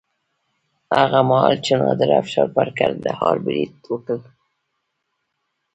هغه مهال چې نادر افشار پر کندهار برید وکړ.